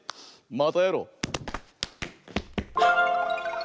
またやろう！